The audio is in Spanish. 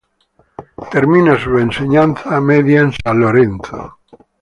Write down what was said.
Termina su enseñanza media en San Lorenzo.